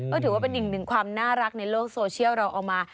ก็ถือว่าเป็นอีกหนึ่งความน่ารักในโลกโซเชียลเราเอามา